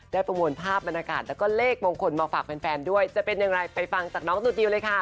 ประมวลภาพบรรยากาศแล้วก็เลขมงคลมาฝากแฟนด้วยจะเป็นอย่างไรไปฟังจากน้องสุดดิวเลยค่ะ